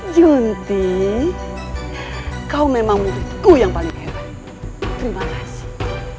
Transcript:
junti kau memang milikku yang paling hebat terima kasih